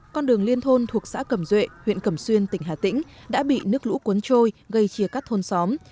con đường liên thôn thuộc xã cẩm duệ huyện cẩm xuyên tỉnh hà tĩnh đã bị nước lũ cuốn trôi gây chia cắt thôn xóm